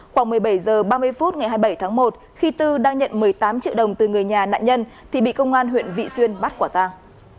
khoảng một mươi bảy h ba mươi phút ngày hai mươi bảy tháng một khi tư đang nhận một mươi tám triệu đồng từ người nhà nạn nhân thì bị công an huyện vị xuyên bắt quả tàng